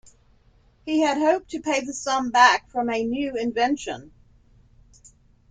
He had hoped to pay the sum back from a new invention.